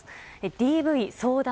ＤＶ相談